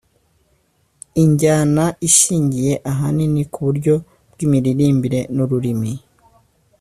injyana ishingiye ahanini ku buryo bw’imiririmbire n’ururimi